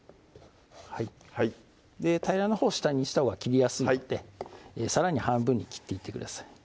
はいはい平らのほうを下にしたほうが切りやすいのでさらに半分に切っていってください